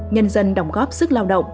nhân dân đồng góp sức lao động